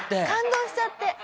感動しちゃって。